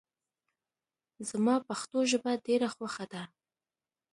زما پښتو ژبه ډېره خوښه ده